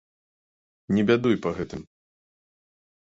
Не бядуй па гэтым.